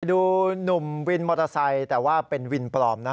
ดูหนุ่มวินมอเตอร์ไซค์แต่ว่าเป็นวินปลอมนะ